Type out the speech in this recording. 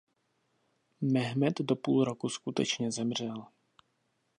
Mehmed do půl roku skutečně zemřel.